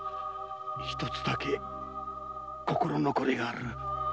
一つだけ心残りがある。